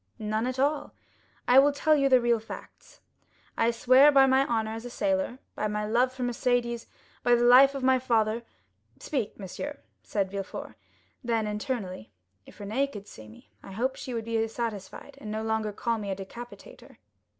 "None at all. I will tell you the real facts. I swear by my honor as a sailor, by my love for Mercédès, by the life of my father——" "Speak, monsieur," said Villefort. Then, internally, "If Renée could see me, I hope she would be satisfied, and would no longer call me a decapitator."